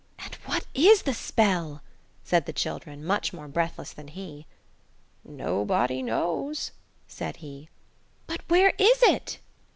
"And what is the spell?" said the children, much more breathless than he. "Nobody knows," said he. "But where is it?"